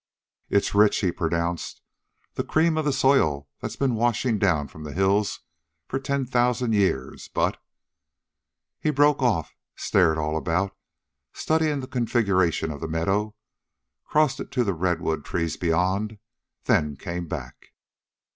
"It's rich," he pronounced; " the cream of the soil that's been washin' down from the hills for ten thousan' years. But " He broke off, stared all about, studying the configuration of the meadow, crossed it to the redwood trees beyond, then came back.